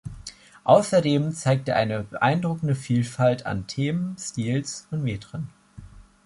Außerdem zeigt er eine beeindruckende Vielfalt an Themen, Stils, und Metren.